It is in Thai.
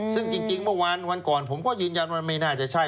ซึ่งจริงเมื่อวานวันก่อนผมก็ยืนยันว่าไม่น่าจะใช่